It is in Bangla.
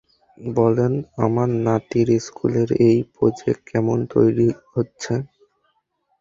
বলেন, আমার নাতির স্কুলের এই প্রজেক্ট, কেমন তৈরি হচ্ছে?